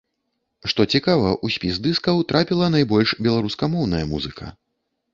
Што цікава, у спіс дыскаў трапіла найбольш беларускамоўная музыка.